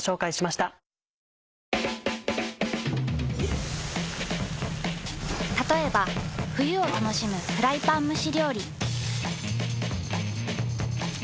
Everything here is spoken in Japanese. たとえば冬を楽しむフライパン蒸し料理。